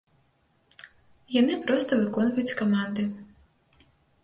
Яны проста выконваюць каманды.